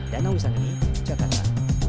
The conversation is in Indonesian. dana wisang deni jakarta